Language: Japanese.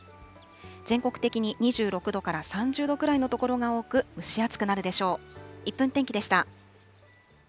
全国的に２６度から３０度くらいの所が多く、蒸し暑くなるでしょう。